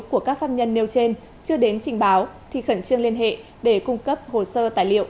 của các pháp nhân nêu trên chưa đến trình báo thì khẩn trương liên hệ để cung cấp hồ sơ tài liệu